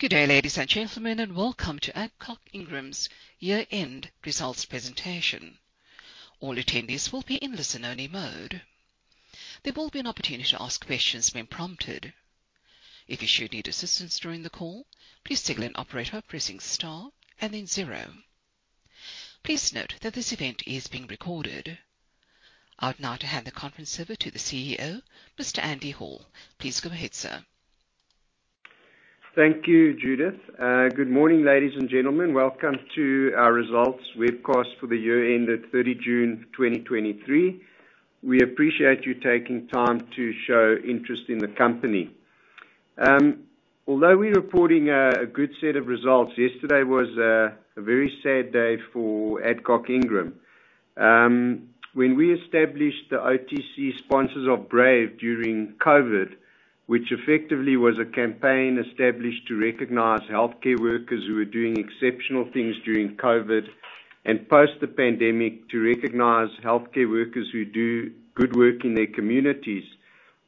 Good day, ladies and gentlemen, welcome to Adcock Ingram's year-end results presentation. All attendees will be in listen-only mode. There will be an opportunity to ask questions when prompted. If you should need assistance during the call, please signal an operator by pressing star and then zero. Please note that this event is being recorded. I'd now to hand the conference over to the CEO, Mr. Andy Hall. Please go ahead, sir. Thank you, Judith. Good morning, ladies and gentlemen. Welcome to our results webcast for the year ended 30 June 2023. We appreciate you taking time to show interest in the company. Although we're reporting a good set of results, yesterday was a very sad day for Adcock Ingram. When we established the OTC Sponsors of Brave during COVID, which effectively was a campaign established to recognize healthcare workers who were doing exceptional things during COVID, and post the pandemic, to recognize healthcare workers who do good work in their communities,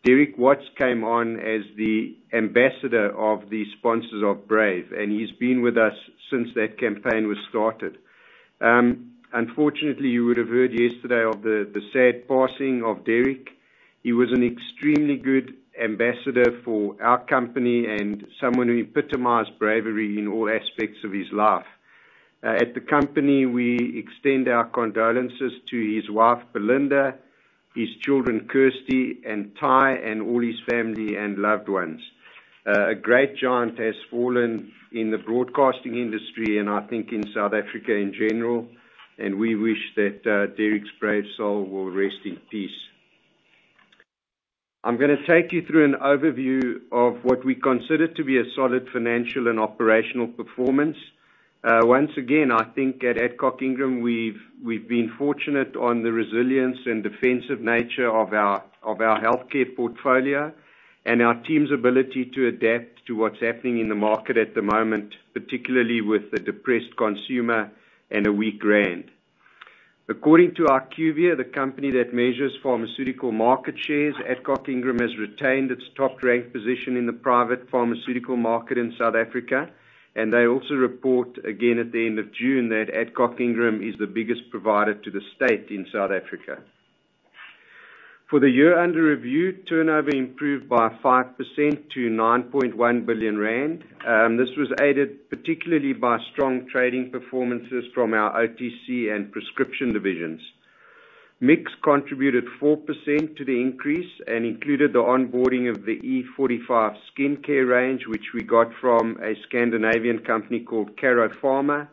Derek Watts came on as the ambassador of the Sponsors of Brave, and he's been with us since that campaign was started. Unfortunately, you would have heard yesterday of the sad passing of Derek. He was an extremely good ambassador for our company and someone who epitomized bravery in all aspects of his life. At the company, we extend our condolences to his wife, Belinda, his children, Kirsty and Ty, and all his family and loved ones. A great giant has fallen in the broadcasting industry, and I think in South Africa in general, and we wish that Derek's brave soul will rest in peace. I'm gonna take you through an overview of what we consider to be a solid financial and operational performance. Once again, I think at Adcock Ingram, we've, we've been fortunate on the resilience and defensive nature of our, of our healthcare portfolio, and our team's ability to adapt to what's happening in the market at the moment, particularly with the depressed consumer and a weak rand. According to IQVIA, the company that measures pharmaceutical market shares, Adcock Ingram has retained its top rank position in the private pharmaceutical market in South Africa. They also report again at the end of June, that Adcock Ingram is the biggest provider to the state in South Africa. For the year under review, turnover improved by 5% to 9.1 billion rand. This was aided particularly by strong trading performances from our OTC and prescription divisions. Mix contributed 4% to the increase and included the onboarding of the E45 skincare range, which we got from a Scandinavian company called Karo Pharma.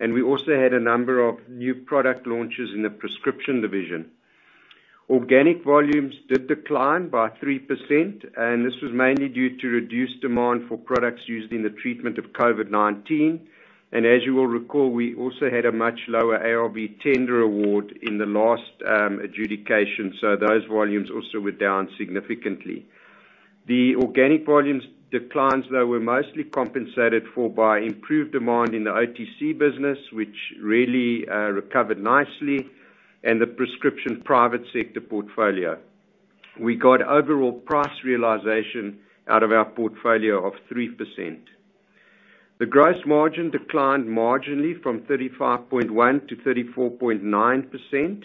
We also had a number of new product launches in the prescription division. Organic volumes did decline by 3%, and this was mainly due to reduced demand for products used in the treatment of COVID-19. As you will recall, we also had a much lower ARV tender award in the last adjudication, so those volumes also were down significantly. The organic volumes declines, though, were mostly compensated for by improved demand in the OTC business, which really recovered nicely, and the prescription private sector portfolio. We got overall price realization out of our portfolio of 3%. The gross margin declined marginally from 35.1% to 34.9%.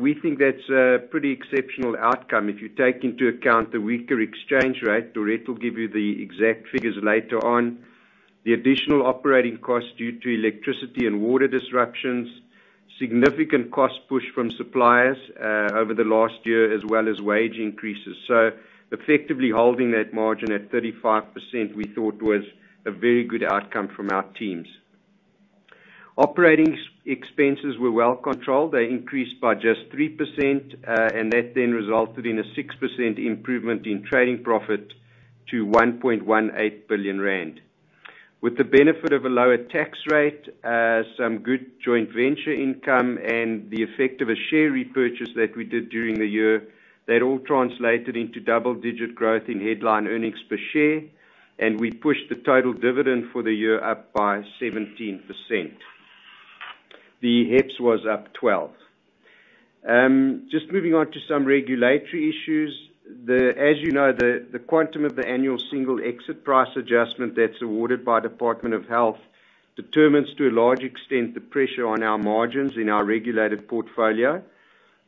We think that's a pretty exceptional outcome if you take into account the weaker exchange rate. Dorette will give you the exact figures later on. The additional operating costs due to electricity and water disruptions, significant cost push from suppliers over the last year, as well as wage increases. Effectively holding that margin at 35%, we thought was a very good outcome from our teams. Operating expenses were well controlled. They increased by just 3%, that then resulted in a 6% improvement in trading profit to 1.18 billion rand. With the benefit of a lower tax rate, some good joint venture income, and the effect of a share repurchase that we did during the year, that all translated into double-digit growth in headline earnings per share, we pushed the total dividend for the year up by 17%. The EPS was up 12. Just moving on to some regulatory issues. As you know, the quantum of the annual Single Exit Price adjustment that's awarded by Department of Health, determines to a large extent, the pressure on our margins in our regulated portfolio.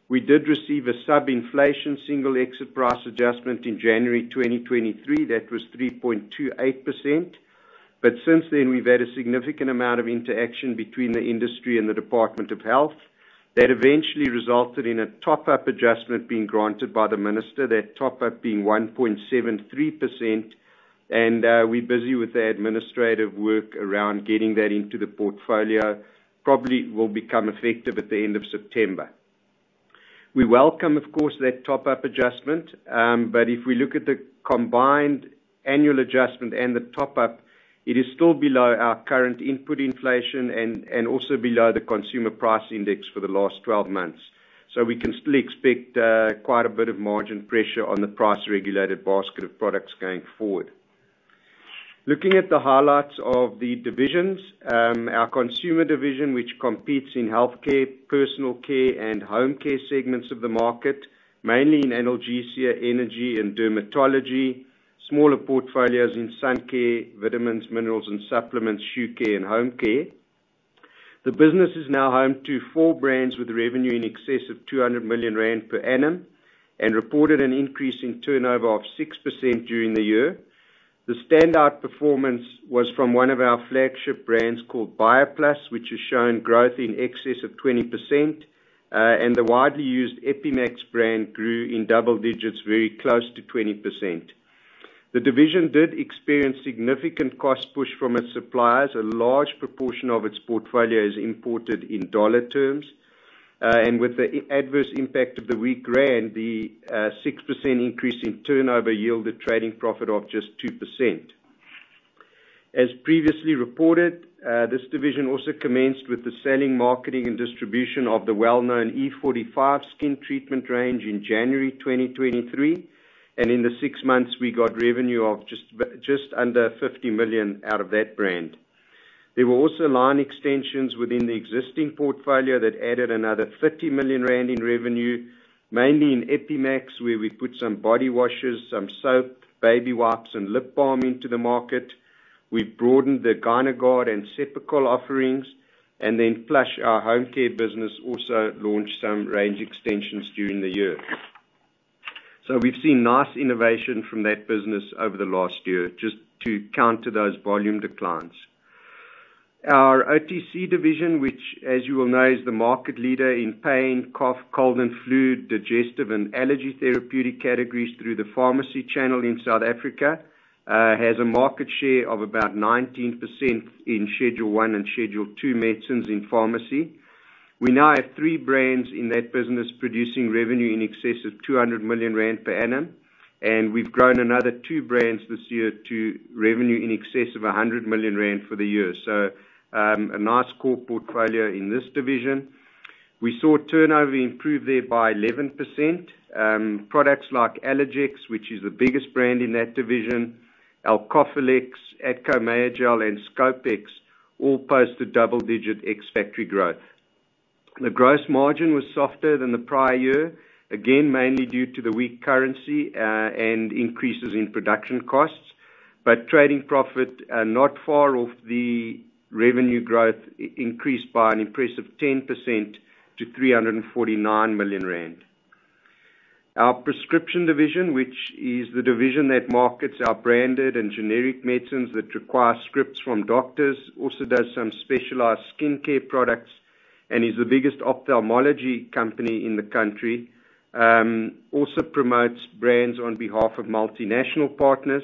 We did receive a sub-inflation Single Exit Price adjustment in January 2023. That was 3.28%. Since then, we've had a significant amount of interaction between the industry and the Department of Health. That eventually resulted in a top-up adjustment being granted by the minister, that top-up being 1.73%. We're busy with the administrative work around getting that into the portfolio, probably will become effective at the end of September. We welcome, of course, that top-up adjustment. If we look at the combined annual adjustment and the top-up, it is still below our current input inflation and also below the Consumer Price Index for the last 12 months. We can still expect quite a bit of margin pressure on the price-regulated basket of products going forward. Looking at the highlights of the divisions, our consumer division, which competes in healthcare, personal care, and home care segments of the market, mainly in analgesia, energy, and dermatology, smaller portfolios in sun care, vitamins, minerals and supplements, shoe care and home care. The business is now home to four brands with revenue in excess of 200 million rand per annum, and reported an increase in turnover of 6% during the year. The standout performance was from one of our flagship brands called BioPlus, which has shown growth in excess of 20%, and the widely used Epi-max brand grew in double digits, very close to 20%. The division did experience significant cost push from its suppliers. A large proportion of its portfolio is imported in dollar terms, and with the adverse impact of the weak rand, the 6% increase in turnover yielded trading profit of just 2%. As previously reported, this division also commenced with the selling, marketing, and distribution of the well-known E45 skin treatment range in January 2023, and in the 6 months, we got revenue of just under 50 million out of that brand. There were also line extensions within the existing portfolio that added another 30 million rand in revenue, mainly in Epi-max, where we put some body washes, some soap, baby wipes, and lip balm into the market. We've broadened the GynaGuard and Cepacol offerings, and then Plush, our Home Care business also launched some range extensions during the year. We've seen nice innovation from that business over the last year, just to counter those volume declines. Our OTC division, which, as you will know, is the market leader in pain, cough, cold and flu, digestive and allergy therapeutic categories through the pharmacy channel in South Africa, has a market share of about 19% in Schedule 1 and Schedule 2 medicines in pharmacy. We now have three brands in that business, producing revenue in excess of 200 million rand per annum, and we've grown another two brands this year to revenue in excess of 100 million rand for the year. A nice core portfolio in this division. We saw turnover improve there by 11%. Products like Allergex, which is the biggest brand in that division, Alcophyllex, Adco-Mayogel, and Scopex, all posted double-digit ex-factory growth. The gross margin was softer than the prior year, again, mainly due to the weak currency and increases in production costs, but trading profit not far off the revenue growth increased by an impressive 10% to 349 million rand. Our prescription division, which is the division that markets our branded and generic medicines that require scripts from doctors, also does some specialized skincare products, and is the biggest ophthalmology company in the country. Also promotes brands on behalf of multinational partners.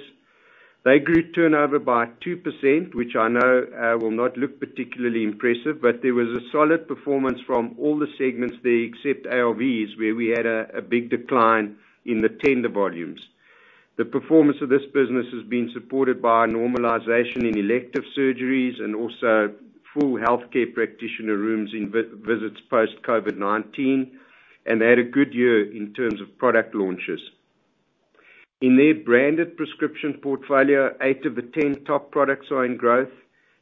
They grew turnover by 2%, which I know will not look particularly impressive, but there was a solid performance from all the segments there, except ARVs, where we had a big decline in the tender volumes. The performance of this business has been supported by a normalization in elective surgeries, and also full healthcare practitioner rooms in visits post-COVID-19, and they had a good year in terms of product launches. In their branded prescription portfolio, 8 of the 10 top products are in growth,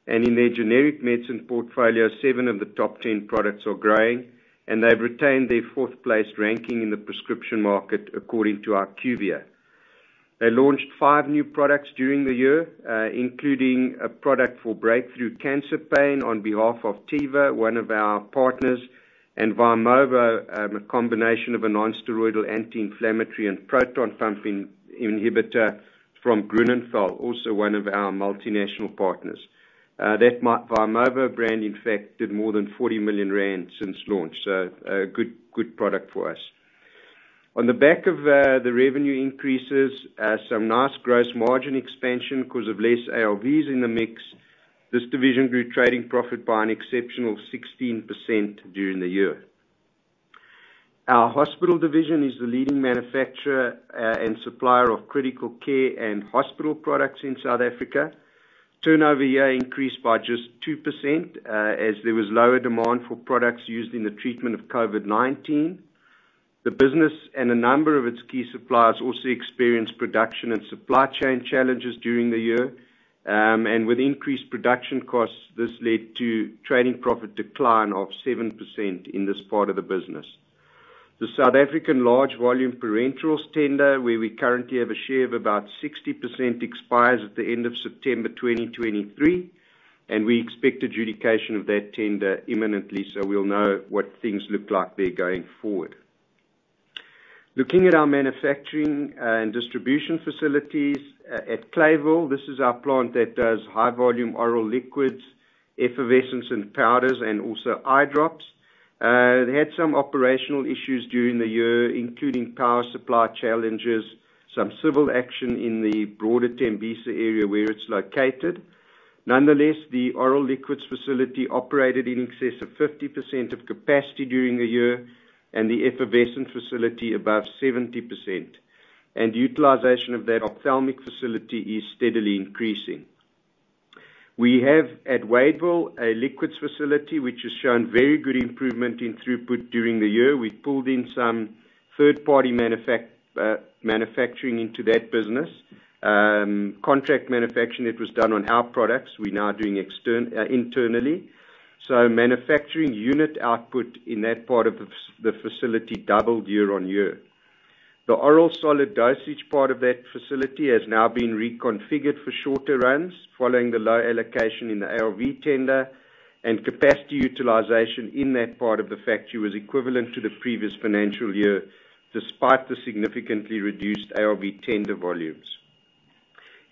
and in their generic medicine portfolio, 7 of the top 10 products are growing, and they've retained their fourth place ranking in the prescription market according to IQVIA. They launched five new products during the year, including a product for breakthrough cancer pain on behalf of Teva, one of our partners, and Vimovo, a combination of a non-steroidal anti-inflammatory and proton-pump inhibitor from Grünenthal, also one of our multinational partners. That Vimovo brand, in fact, did more than 40 million rand since launch, so a good, good product for us. On the back of the revenue increases, some nice gross margin expansion because of less ARVs in the mix. This division grew trading profit by an exceptional 16% during the year. Our hospital division is the leading manufacturer and supplier of critical care and hospital products in South Africa. Turnover here increased by just 2%, as there was lower demand for products used in the treatment of COVID-19. The business and a number of its key suppliers also experienced production and supply chain challenges during the year, and with increased production costs, this led to trading profit decline of 7% in this part of the business. The South African large volume parentals tender, where we currently have a share of about 60%, expires at the end of September 2023. We expect adjudication of that tender imminently, so we'll know what things look like there going forward. Looking at our manufacturing and distribution facilities, at Clayville, this is our plant that does high volume oral liquids, effervescents and powders, and also eye drops. They had some operational issues during the year, including power supply challenges, some civil action in the broader Tembisa area where it's located. Nonetheless, the oral liquids facility operated in excess of 50% of capacity during the year. The effervescent facility, above 70%, and utilization of that ophthalmic facility is steadily increasing. We have, at Wadeville, a liquids facility, which has shown very good improvement in throughput during the year. We pulled in some third-party manufacturing into that business. Contract manufacturing that was done on our products, we're now doing internally. Manufacturing unit output in that part of the facility, doubled year-on-year. The oral solid dosage part of that facility has now been reconfigured for shorter runs, following the low allocation in the ARV tender, and capacity utilization in that part of the factory was equivalent to the previous financial year, despite the significantly reduced ARV tender volumes.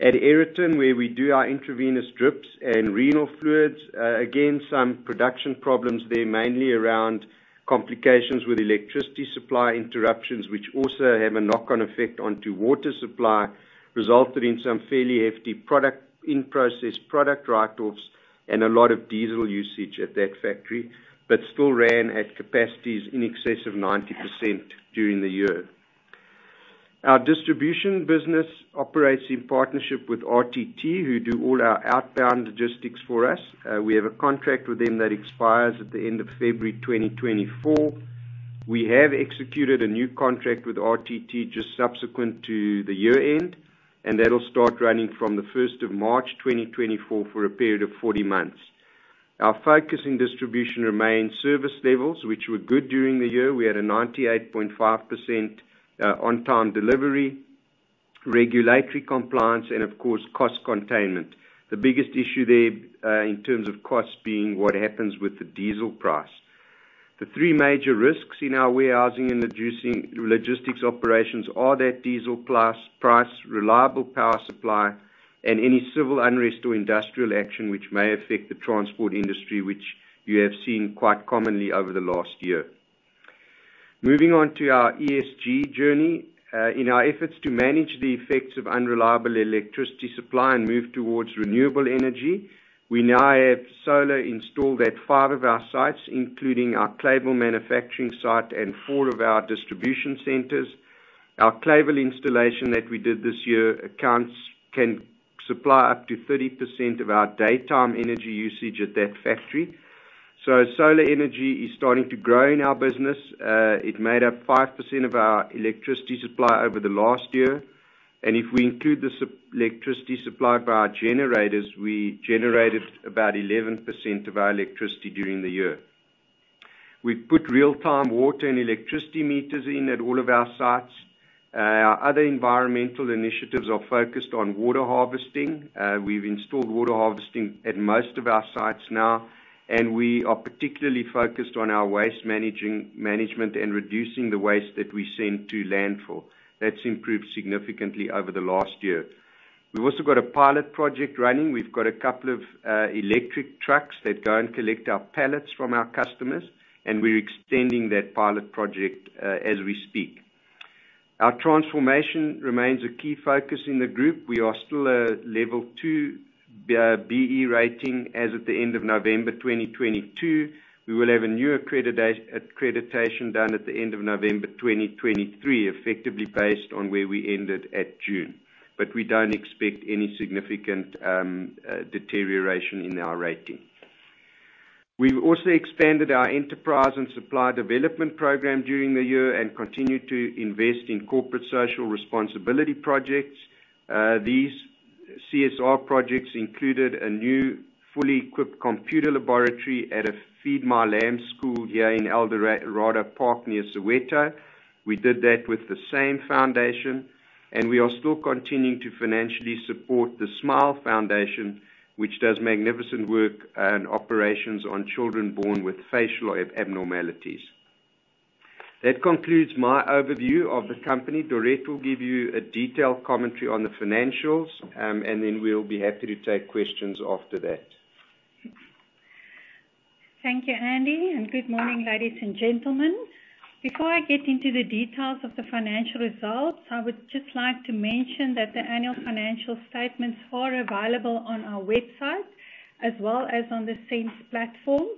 At Aeroton, where we do our intravenous drips and renal fluids, again, some production problems there, mainly around complications with electricity supply interruptions, which also have a knock-on effect onto water supply, resulted in some fairly hefty product- in-process product write-offs and a lot of diesel usage at that factory, but still ran at capacities in excess of 90% during the year. Our distribution business operates in partnership with RTT, who do all our outbound logistics for us. We have a contract with them that expires at the end of February 2024. We have executed a new contract with RTT just subsequent to the year-end, and that'll start running from the 1st of March 2024 for a period of 40 months. Our focus in distribution remains service levels, which were good during the year. We had a 98.5% on-time delivery, regulatory compliance, and of course, cost containment. The biggest issue there, in terms of cost, being what happens with the diesel price. The three major risks in our warehousing and logistics operations are that diesel price, reliable power supply, and any civil unrest or industrial action which may affect the transport industry, which you have seen quite commonly over the last year. Moving on to our ESG journey. In our efforts to manage the effects of unreliable electricity supply and move towards renewable energy, we now have solar installed at five of our sites, including our Clayville manufacturing site and four of our distribution centers. Our Clayville installation that we did this year, accounts can supply up to 30% of our daytime energy usage at that factory. Solar energy is starting to grow in our business. It made up 5% of our electricity supply over the last year, and if we include the electricity supplied by our generators, we generated about 11% of our electricity during the year. We've put real-time water and electricity meters in at all of our sites. Our other environmental initiatives are focused on water harvesting. We've installed water harvesting at most of our sites now, and we are particularly focused on our waste management and reducing the waste that we send to landfill. That's improved significantly over the last year. We've also got a pilot project running. We've got a couple of electric trucks that go and collect our pallets from our customers, and we're extending that pilot project as we speak. Our transformation remains a key focus in the group. We are still a level two B-BBEE rating as of the end of November 2022. We will have a new accreditation done at the end of November 2023, effectively based on where we ended at June. We don't expect any significant deterioration in our rating. We've also expanded our enterprise and supply development program during the year and continued to invest in corporate social responsibility projects. These CSR projects included a new fully equipped computer laboratory at a Feed My Lambs school here in Eldorado Park, near Soweto. We did that with the SAME Foundation. We are still continuing to financially support the Smile Foundation, which does magnificent work and operations on children born with facial abnormalities. That concludes my overview of the company. Dorette will give you a detailed commentary on the financials, and then we'll be happy to take questions after that. Thank you, Andy. Good morning, ladies and gentlemen. Before I get into the details of the financial results, I would just like to mention that the annual financial statements are available on our website as well as on the SENS platform.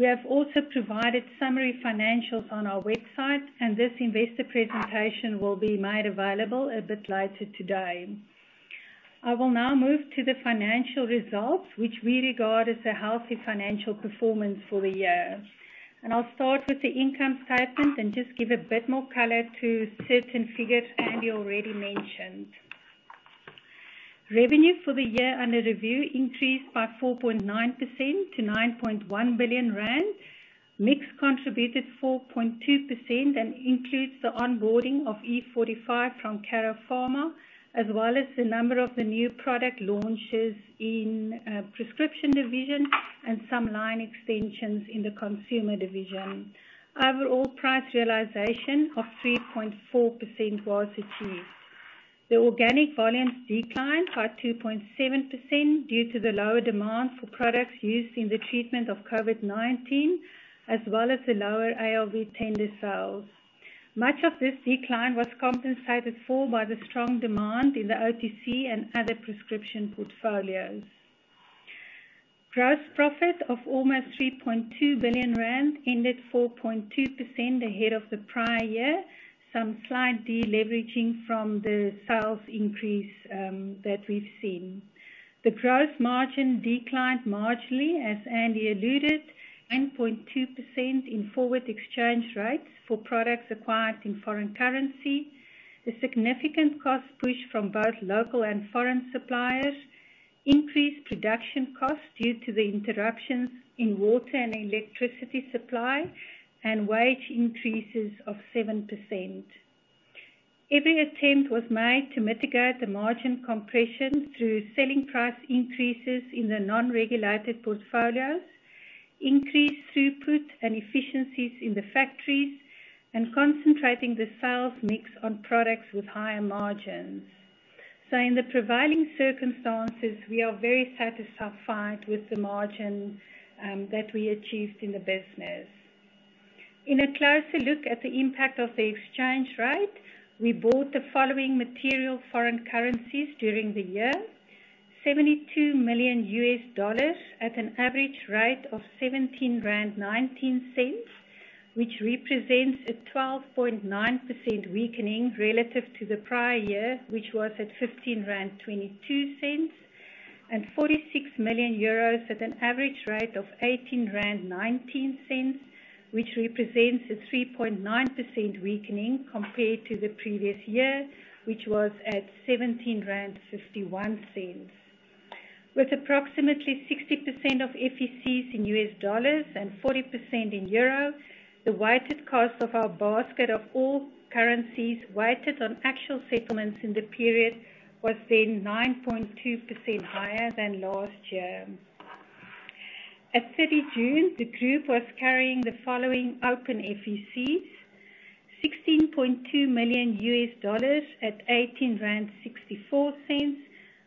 We have also provided summary financials on our website, and this investor presentation will be made available a bit later today. I will now move to the financial results, which we regard as a healthy financial performance for the year. I'll start with the income statement and just give a bit more color to certain figures Andy already mentioned. Revenue for the year under review increased by 4.9% to 9.1 billion rand. Mix contributed 4.2% and includes the onboarding of E45 from Karo Pharma, as well as the number of the new product launches in prescription division and some line extensions in the consumer division. Overall, price realization of 3.4% was achieved. The organic volumes declined by 2.7% due to the lower demand for products used in the treatment of COVID-19, as well as the lower ARV tender sales. Much of this decline was compensated for by the strong demand in the OTC and other prescription portfolios. Gross profit of almost 3.2 billion rand ended 4.2% ahead of the prior year, some slight deleveraging from the sales increase that we've seen. The gross margin declined marginally, as Andy alluded, 10.2% in forward exchange rates for products acquired in foreign currency. The significant cost push from both local and foreign suppliers-... increased production costs due to the interruptions in water and electricity supply and wage increases of 7%. Every attempt was made to mitigate the margin compression through selling price increases in the non-regulated portfolios, increased throughput and efficiencies in the factories, and concentrating the sales mix on products with higher margins. In the prevailing circumstances, we are very satisfied with the margin that we achieved in the business. In a closer look at the impact of the exchange rate, we bought the following material foreign currencies during the year: $72 million US dollars at an average rate of 17.19 rand, which represents a 12.9% weakening relative to the prior year, which was at 15.22 rand, and 46 million euros at an average rate of 18.19 rand, which represents a 3.9% weakening compared to the previous year, which was at 17.51 rand. With approximately 60% of FECs in US dollars and 40% in euro, the weighted cost of our basket of all currencies, weighted on actual settlements in the period, was then 9.2% higher than last year. At 30 June, the group was carrying the following open FECs: $16.2 million at 18.64 rand,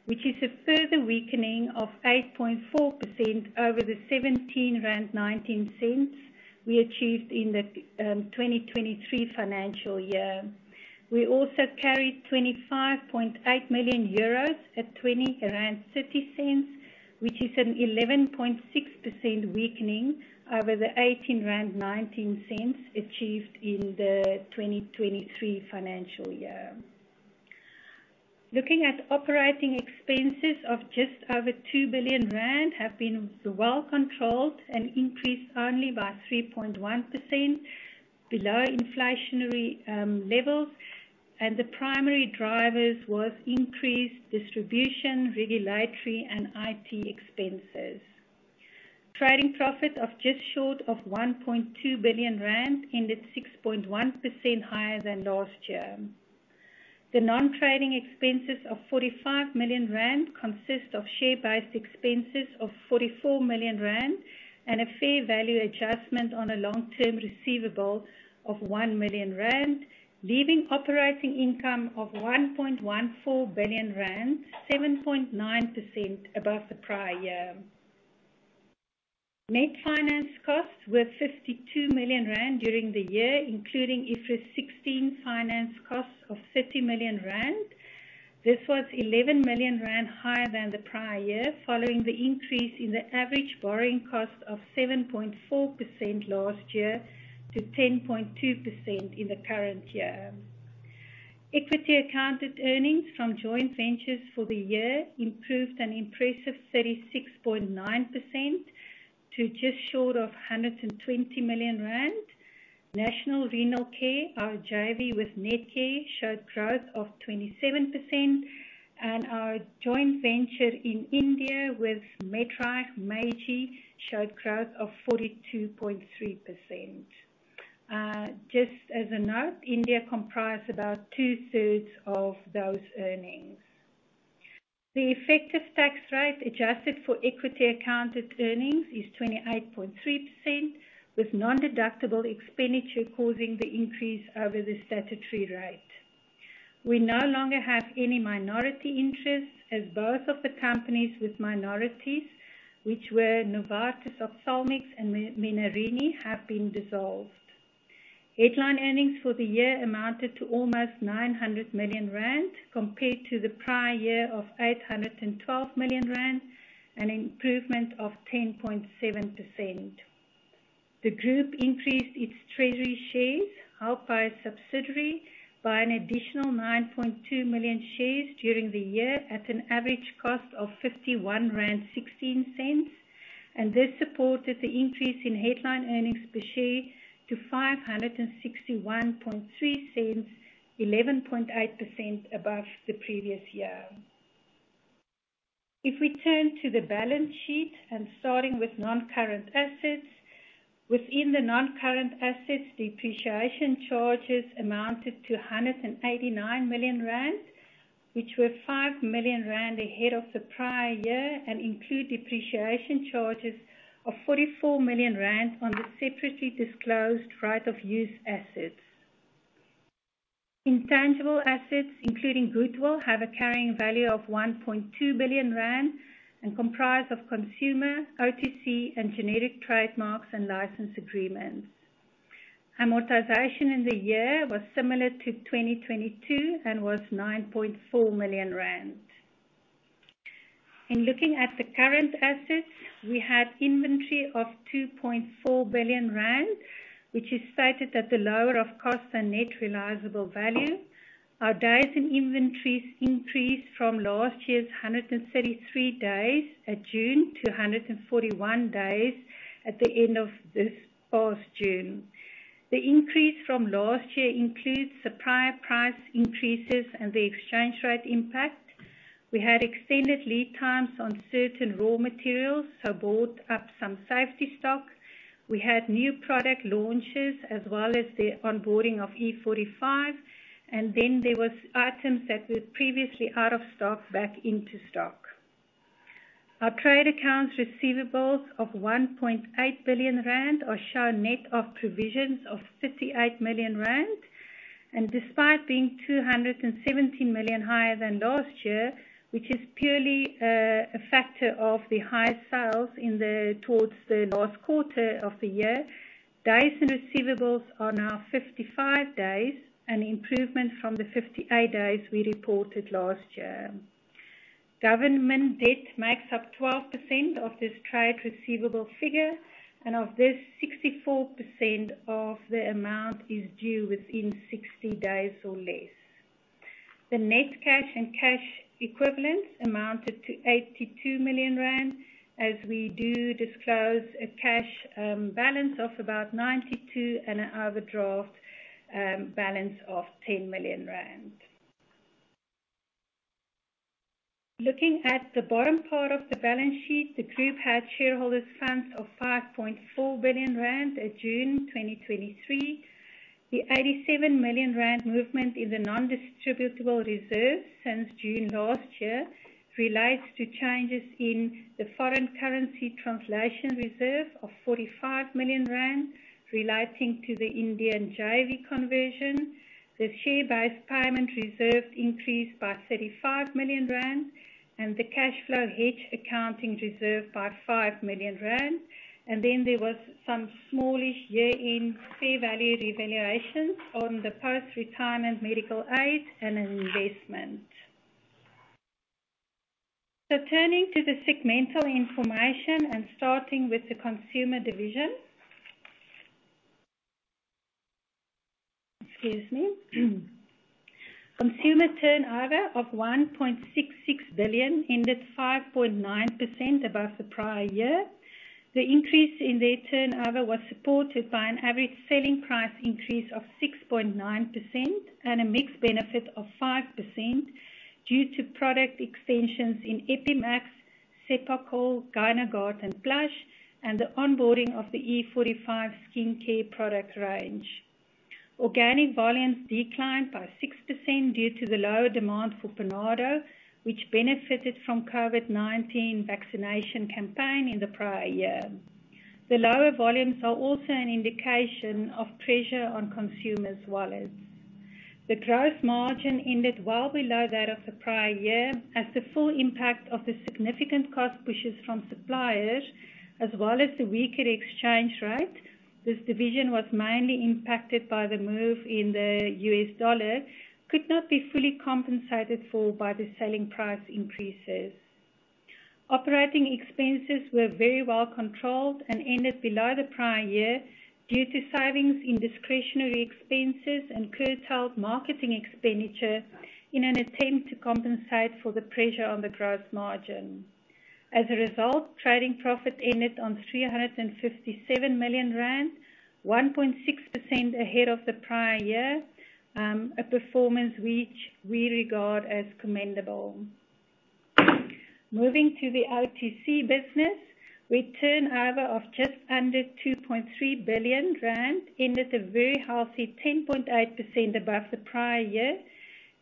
which is a further weakening of 8.4% over the 17.19 rand we achieved in the 2023 financial year. We also carried 25.8 million euros at 20.30, which is an 11.6% weakening over the 18.19 achieved in the 2023 financial year. Looking at operating expenses of just over 2 billion rand have been well controlled and increased only by 3.1% below inflationary levels. The primary drivers was increased distribution, regulatory, and IT expenses. Trading profit of just short of 1.2 billion rand ended 6.1% higher than last year. The non-trading expenses of 45 million rand consist of share-based expenses of 44 million rand and a fair value adjustment on a long-term receivable of 1 million rand, leaving operating income of 1.14 billion rand, 7.9% above the prior year. Net finance costs were 52 million rand during the year, including IFRS 16 finance costs of 30 million rand. This was 11 million rand higher than the prior year, following the increase in the average borrowing cost of 7.4% last year to 10.2% in the current year. Equity accounted earnings from joint ventures for the year improved an impressive 36.9% to just short of 120 million rand. National Renal Care, our JV with Netcare, showed growth of 27%, and our joint venture in India with Medreich, Meiji, showed growth of 42.3%. Just as a note, India comprise about two-thirds of those earnings. The effective tax rate, adjusted for equity accounted earnings, is 28.3%, with nondeductible expenditure causing the increase over the statutory rate. We no longer have any minority interests, as both of the companies with minorities, which were Novartis Ophthalmics and Menarini, have been dissolved. Headline earnings for the year amounted to almost 900 million rand, compared to the prior year of 812 million rand, an improvement of 10.7%. The group increased its treasury shares, held by a subsidiary, by an additional 9.2 million shares during the year at an average cost of 51.16 rand. This supported the increase in headline earnings per share to 5.613, 11.8% above the previous year. If we turn to the balance sheet, starting with non-current assets. Within the non-current assets, depreciation charges amounted to 189 million rand, which were 5 million rand ahead of the prior year and include depreciation charges of 44 million rand on the separately disclosed right of use assets. Intangible assets, including goodwill, have a carrying value of 1.2 billion rand and comprise of consumer, OTC, and generic trademarks and license agreements. Amortization in the year was similar to 2022 and was 9.4 million rand. In looking at the current assets, we had inventory of 2.4 billion rand, which is stated at the lower of cost and net realizable value. Our days in inventories increased from last year's 133 days at June to 141 days at the end of this past June. The increase from last year includes supplier price increases and the exchange rate impact. We had extended lead times on certain raw materials, so bought up some safety stock. We had new product launches, as well as the onboarding of E45, and then there was items that were previously out of stock, back into stock. Our trade accounts receivables of 1.8 billion rand are shown net of provisions of 38 million rand, and despite being 217 million higher than last year, which is purely a factor of the high sales in the, towards the last quarter of the year, days and receivables are now 55 days, an improvement from the 58 days we reported last year. Government debt makes up 12% of this trade receivable figure, and of this, 64% of the amount is due within 60 days or less. The net cash and cash equivalents amounted to 82 million rand, as we do disclose a cash balance of about 92 million and an overdraft balance of 10 million rand. Looking at the bottom part of the balance sheet, the group had shareholders funds of 5.4 billion rand at June 2023. The 87 million rand movement in the non-distributable reserves since June last year, relates to changes in the foreign currency translation reserve of 45 million rand, relating to the Indian JV conversion. The share-based payment reserve increased by 35 million rand and the cash flow hedge accounting reserve by 5 million rand, and then there was some smallish year-end fair value revaluations on the post-retirement medical aid and an investment. Turning to the segmental information and starting with the consumer division. Excuse me. Consumer turnover of 1.66 billion ended 5.9% above the prior year. The increase in their turnover was supported by an average selling price increase of 6.9% and a mix benefit of 5% due to product extensions in Epi-max, Cepacol, GynaGuard, and Plush, and the onboarding of the E45 skincare product range. Organic volumes declined by 6% due to the lower demand for Panado, which benefited from COVID-19 vaccination campaign in the prior year. The lower volumes are also an indication of pressure on consumers' wallets. The growth margin ended well below that of the prior year, as the full impact of the significant cost pushes from suppliers, as well as the weaker exchange rate. This division was mainly impacted by the move in the US dollar, could not be fully compensated for by the selling price increases. Operating expenses were very well controlled and ended below the prior year, due to savings in discretionary expenses and curtailed marketing expenditure in an attempt to compensate for the pressure on the growth margin. As a result, trading profit ended on 357 million rand, 1.6% ahead of the prior year, a performance which we regard as commendable. Moving to the OTC business, with turnover of just under 2.3 billion rand, ended a very healthy 10.8% above the prior year,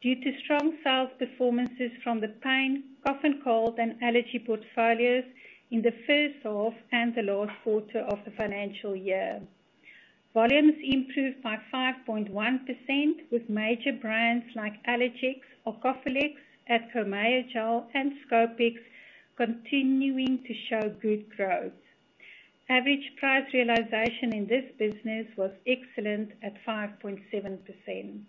due to strong sales performances from the pain, cough and cold, and allergy portfolios in the first half and the last quarter of the financial year. Volumes improved by 5.1%, with major brands like Allergex, or Cofilex, Achromio gel, and Scopex continuing to show good growth. Average price realization in this business was excellent at 5.7%.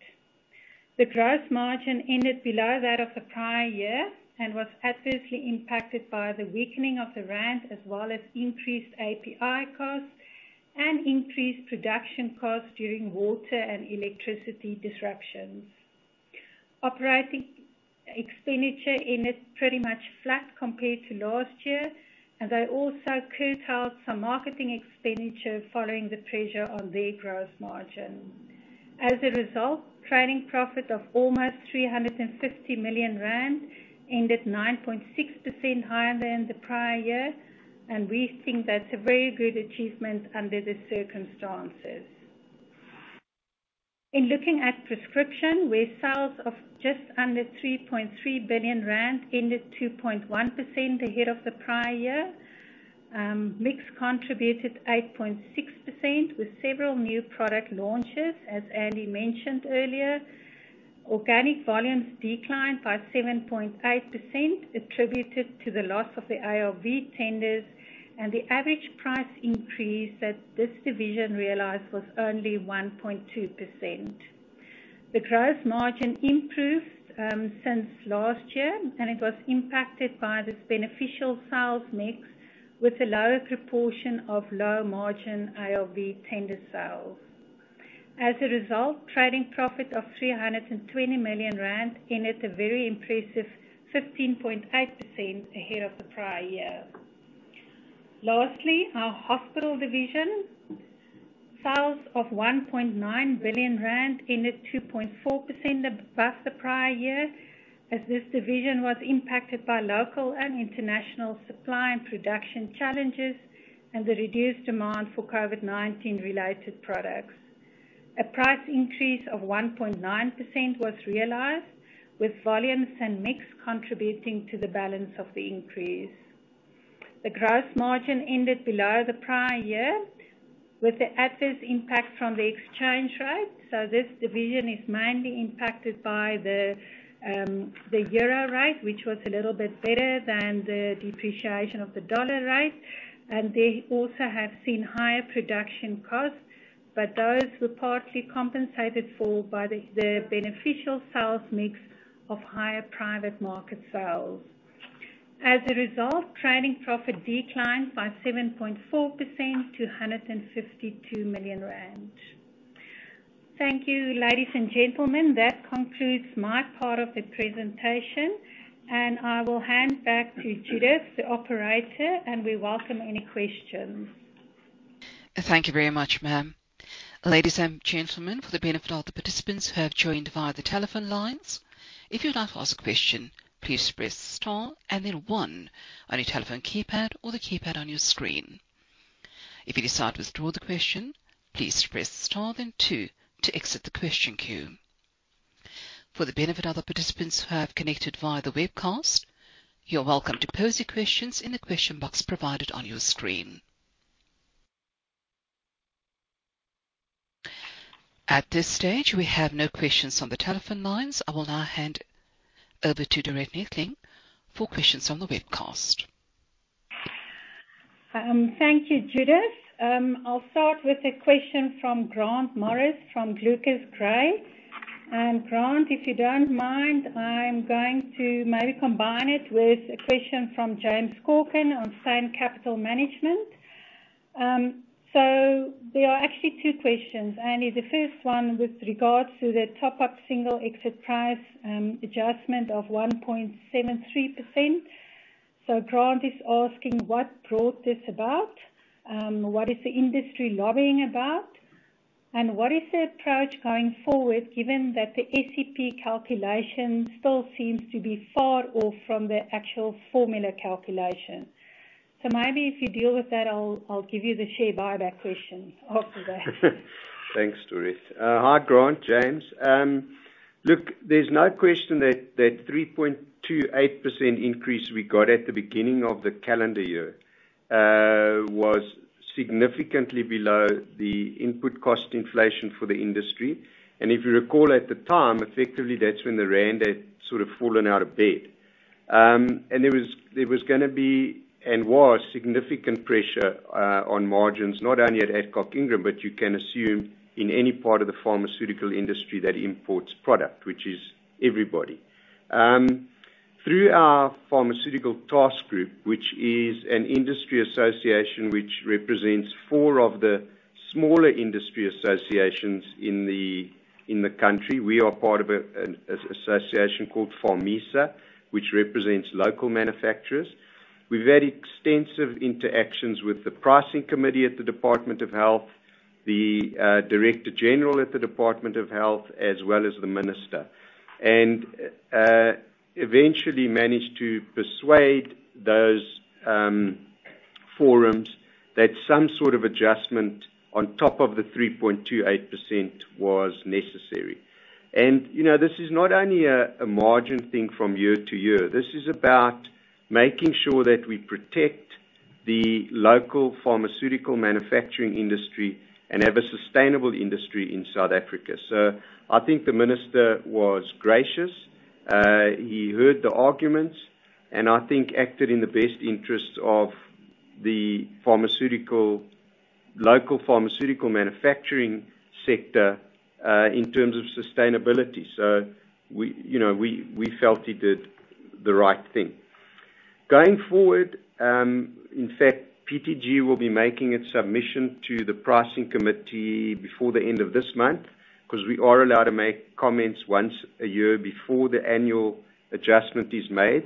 The growth margin ended below that of the prior year and was adversely impacted by the weakening of the rand, as well as increased API costs and increased production costs during water and electricity disruptions. Operating expenditure ended pretty much flat compared to last year, and they also curtailed some marketing expenditure following the pressure on their growth margin. As a result, trading profit of almost 350 million rand ended 9.6% higher than the prior year, and we think that's a very good achievement under the circumstances. In looking at prescription, where sales of just under 3.3 billion rand ended 2.1% ahead of the prior year, mix contributed 8.6% with several new product launches, as Andy mentioned earlier. Organic volumes declined by 7.8%, attributed to the loss of the IOV tenders, the average price increase that this division realized was only 1.2%. The growth margin improved since last year, it was impacted by this beneficial sales mix, with a lower proportion of low-margin IOV tender sales. As a result, trading profit of 320 million rand ended a very impressive 15.8% ahead of the prior year. Lastly, our hospital division. Sales of 1.9 billion rand ended 2.4% above the prior year, as this division was impacted by local and international supply and production challenges and the reduced demand for COVID-19 related products. A price increase of 1.9% was realized, with volumes and mix contributing to the balance of the increase. The gross margin ended below the prior year, with the adverse impact from the exchange rate. This division is mainly impacted by the euro rate, which was a little bit better than the depreciation of the dollar rate, and they also have seen higher production costs, but those were partly compensated for by the beneficial sales mix of higher private market sales. As a result, trading profit declined by 7.4% to 152 million rand. Thank you, ladies and gentlemen. That concludes my part of the presentation, and I will hand back to Judith, the operator, and we welcome any questions. Thank you very much, ma'am. ladies and gentlemen, for the benefit of the participants who have joined via the telephone lines, if you'd like to ask a question, please press star and then one on your telephone keypad or the keypad on your screen. If you decide to withdraw the question, please press star, then two to exit the question queue. For the benefit of the participants who have connected via the webcast, you're welcome to pose your questions in the question box provided on your screen. At this stage, we have no questions on the telephone lines. I will now hand over to Dorette Neethling for questions on the webcast. Thank you, Judith. I'll start with a question from Grant Morris, from ClucasGray. Grant, if you don't mind, I'm going to maybe combine it with a question from James Corkin on Steyn Capital Management. There are actually two questions, and the first one with regards to the top-up Single Exit Price adjustment of 1.73%. Grant is asking: What brought this about? What is the industry lobbying about, and what is the approach going forward, given that the SEP calculation still seems to be far off from the actual formula calculation? Maybe if you deal with that, I'll, I'll give you the share buyback question after that. Thanks, Dorette. Hi, Grant, James. Look, there's no question that, that 3.28% increase we got at the beginning of the calendar year, was significantly below the input cost inflation for the industry. If you recall, at the time, effectively, that's when the rand had sort of fallen out of bed. There was, there was gonna be, and was, significant pressure, on margins, not only at Adcock Ingram, but you can assume in any part of the pharmaceutical industry that imports product, which is everybody. Through our Pharmaceutical Task Group, which is an industry association which represents four of the smaller industry associations in the, in the country, we are part of an association called Pharmisa, which represents local manufacturers. We've had extensive interactions with the pricing committee at the Department of Health, the director general at the Department of Health, as well as the minister. Eventually managed to persuade those forums that some sort of adjustment on top of the 3.28% was necessary. You know, this is not only a, a margin thing from year to year. This is about making sure that we protect the local pharmaceutical manufacturing industry and have a sustainable industry in South Africa. I think the minister was gracious. He heard the arguments and I think acted in the best interests of the pharmaceutical, local pharmaceutical manufacturing sector in terms of sustainability. We, you know, we, we felt he did the right thing. Going forward, in fact, PTG will be making its submission to the pricing committee before the end of this month, 'cause we are allowed to make comments once a year before the annual adjustment is made.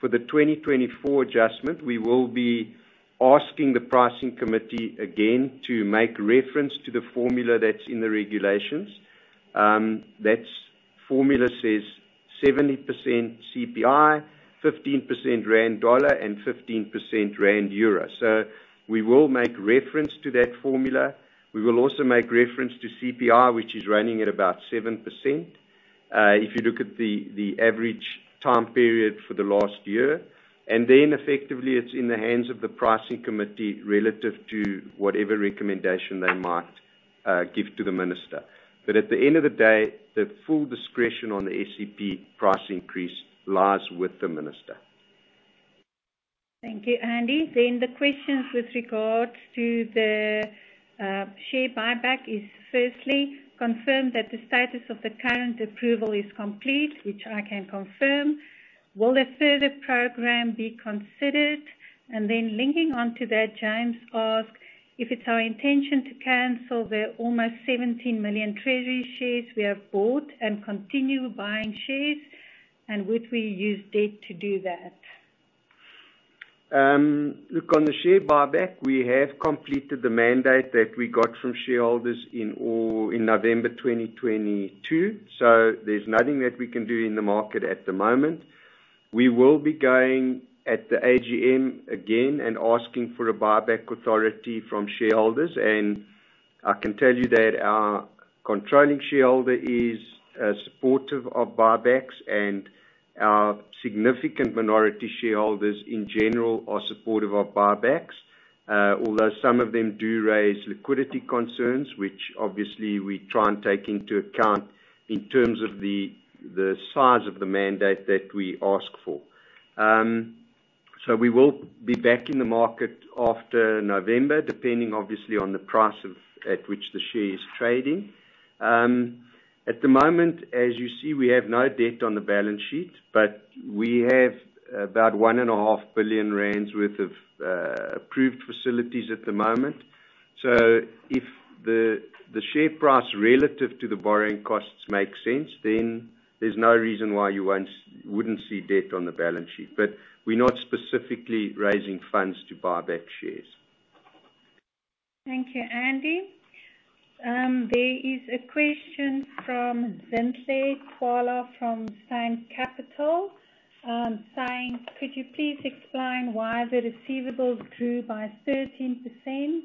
For the 2024 adjustment, we will be asking the pricing committee again to make reference to the formula that's in the regulations. That formula says 70% CPI, 15% rand dollar, and 15% rand euro. We will make reference to that formula. We will also make reference to CPI, which is running at about 7%, if you look at the average time period for the last year, then effectively, it's in the hands of the pricing committee, relative to whatever recommendation they might give to the minister. At the end of the day, the full discretion on the SEP price increase lies with the minister. Thank you, Andy. The questions with regards to the share buyback is firstly, confirm that the status of the current approval is complete, which I can confirm. Will a further program be considered? Linking onto that, James asked if it's our intention to cancel the almost 17 million treasury shares we have bought and continue buying shares? Would we use debt to do that? Look, on the share buyback, we have completed the mandate that we got from shareholders in November 2022, so there's nothing that we can do in the market at the moment. We will be going at the AGM again and asking for a buyback authority from shareholders, and I can tell you that our controlling shareholder is supportive of buybacks, and our significant minority shareholders, in general, are supportive of buybacks. Although some of them do raise liquidity concerns, which obviously we try and take into account in terms of the size of the mandate that we ask for. We will be back in the market after November, depending obviously on the price at which the share is trading. At the moment, as you see, we have no debt on the balance sheet, but we have about 1.5 billion rand worth of approved facilities at the moment. If the, the share price relative to the borrowing costs make sense, then there's no reason why you won't, wouldn't see debt on the balance sheet. We're not specifically raising funds to buy back shares. Thank you, Andy. There is a question from Zinhle Khumalo from Steyn Capital, saying: Could you please explain why the receivables grew by 13%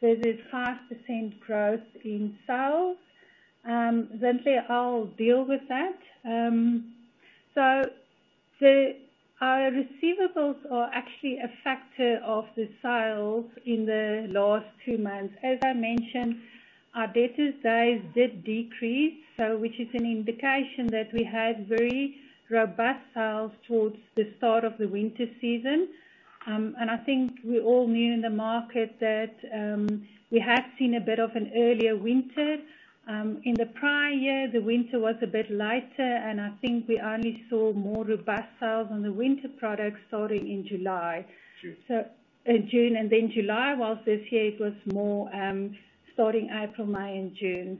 versus 5% growth in sales? Zinhle, I'll deal with that. Our receivables are actually a factor of the sales in the last two months. As I mentioned, our debtors days did decrease, which is an indication that we had very robust sales towards the start of the winter season. I think we all knew in the market that we had seen a bit of an earlier winter. In the prior year, the winter was a bit lighter, I think we only saw more robust sales on the winter products starting in July. June. June and then July, whilst this year it was more, starting April, May and June.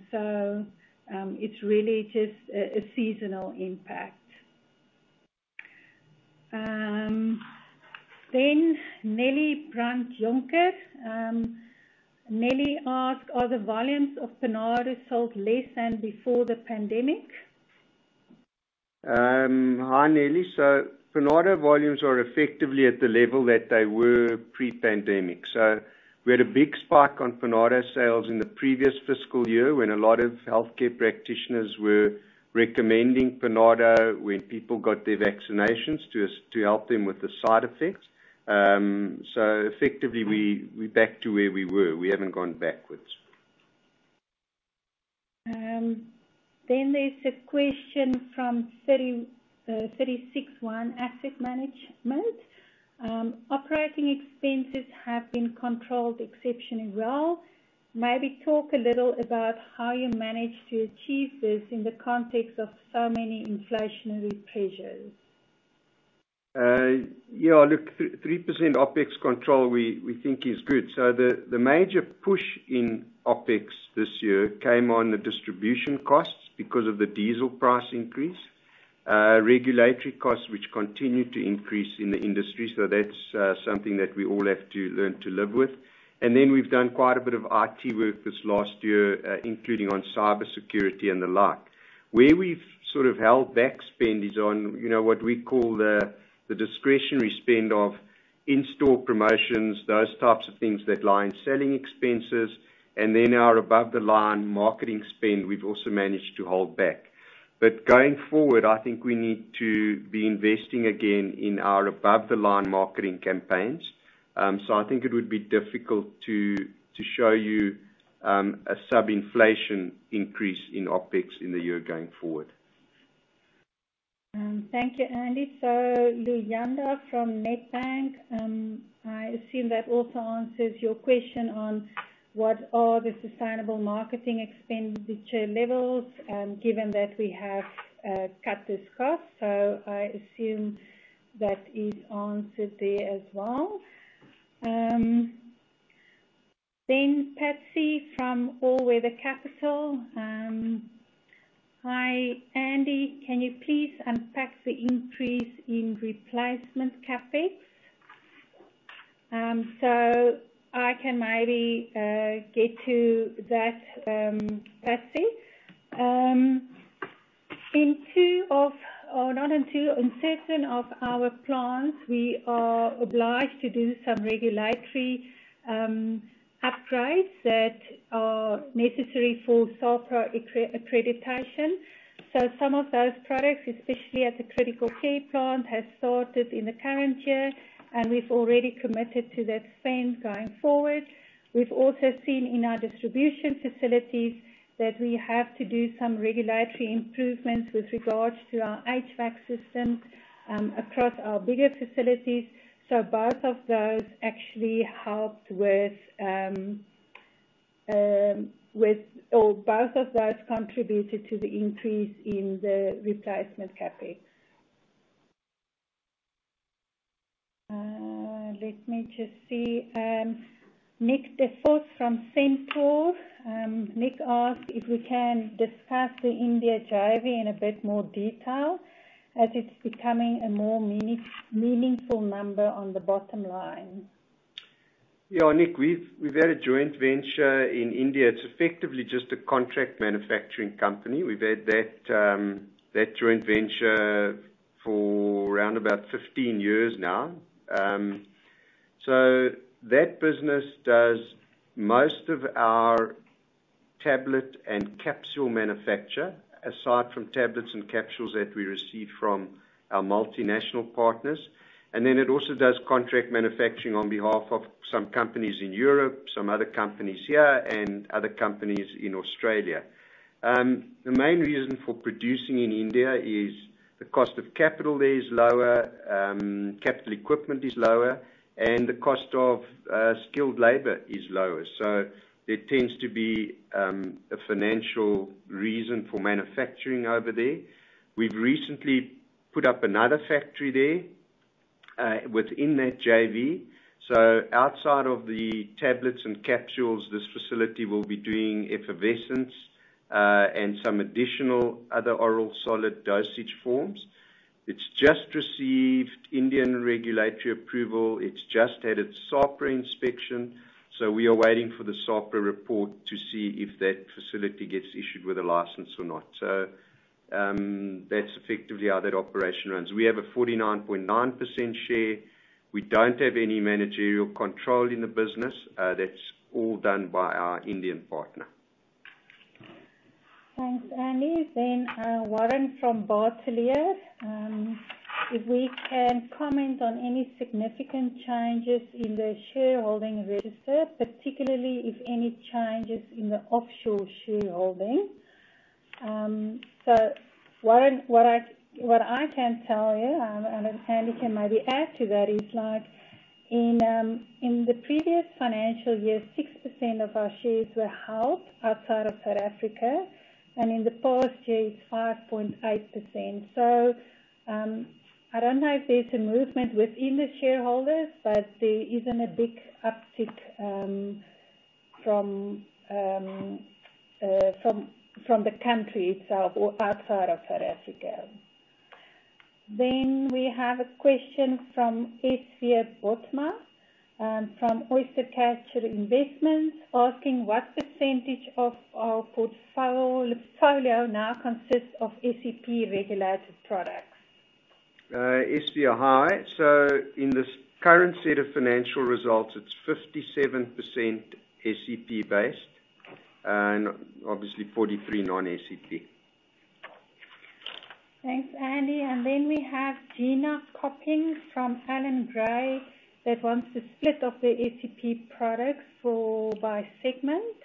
It's really just a, a seasonal impact. Nelly Brand-Jonker. Nelly asked: Are the volumes of Panado sold less than before the pandemic? Hi, Nelly. Panado volumes are effectively at the level that they were pre-pandemic. We had a big spike on Panado sales in the previous fiscal year, when a lot of healthcare practitioners were recommending Panado when people got their vaccinations to help them with the side effects. Effectively, we, we're back to where we were. We haven't gone backwards. There's a question from 36ONE Asset Management. Operating expenses have been controlled exceptionally well. Maybe talk a little about how you managed to achieve this in the context of so many inflationary pressures. Yeah, look, 3% OpEx control, we, we think is good. The, the major push in OpEx this year came on the distribution costs because of the diesel price increase. Regulatory costs, which continue to increase in the industry, so that's something that we all have to learn to live with. Then we've done quite a bit of IT work this last year, including on cybersecurity and the like. Where we've sort of held back spend is on, you know, what we call the, the discretionary spend of in-store promotions, those types of things that lie in selling expenses, and then our above-the-line marketing spend, we've also managed to hold back. Going forward, I think we need to be investing again in our above-the-line marketing campaigns. I think it would be difficult to, to show you, a sub-inflation increase in OpEx in the year going forward. Thank you, Andy. Luyanda from Nedbank, I assume that also answers your question on what are the sustainable marketing expenditure levels, given that we have cut this cost. I assume that is answered there as well. Patsy from All Weather Capital. Hi, Andy, can you please unpack the increase in replacement CapEx? I can maybe get to that, Patsy. In two of... or not in two, in certain of our plants, we are obliged to do some regulatory upgrades that are necessary for SAHPRA accreditation. Some of those projects, especially at the Critical Care plant, have started in the current year, and we've already committed to that spend going forward. We've also seen in our distribution facilities that we have to do some regulatory improvements with regards to our HVAC systems across our bigger facilities. Both of those actually helped with, or both of those contributed to the increase in the replacement CapEx. Let me just see. Nick Des-Fontaines from Centaur. Nick asked if we can discuss the India JV in a bit more detail, as it's becoming a more meaningful number on the bottom line. Yeah, Nick, we've, we've had a joint venture in India. It's effectively just a contract manufacturing company. We've had that, that joint venture for around about 15 years now. That business does most of our tablet and capsule manufacture, aside from tablets and capsules that we receive from our multinational partners. It also does contract manufacturing on behalf of some companies in Europe, some other companies here, and other companies in Australia. The main reason for producing in India is the cost of capital there is lower, capital equipment is lower, and the cost of skilled labor is lower. There tends to be a financial reason for manufacturing over there. We've recently put up another factory there, within that JV. Outside of the tablets and capsules, this facility will be doing effervescence and some additional other oral solid dosage forms. It's just received Indian regulatory approval. It's just had its SAHPRA inspection, so we are waiting for the SAHPRA report to see if that facility gets issued with a license or not. That's effectively how that operation runs. We have a 49.9% share. We don't have any managerial control in the business. That's all done by our Indian partner. Thanks, Andy. Warren from Bateleur Capital. If we can comment on any significant changes in the shareholding register, particularly if any changes in the offshore shareholding. Warren, what I, what I can tell you, and Andy can maybe add to that, is like in the previous financial year, 6% of our shares were held outside of South Africa, and in the past year, it's 5.8%. I don't know if there's a movement within the shareholders, but there isn't a big uptick from the country itself or outside of South Africa. We have a question from Esmé Botma from Oyster Catcher Investments, asking what percentage of our portfolio now consists of SEP-regulated products? Esmé, hi. In this current set of financial results, it's 57% SEP based, and obviously 43 non-SEP. Thanks, Andy. Then we have Gina Copping from Allan Gray, that wants a split of the SEP products for by segment.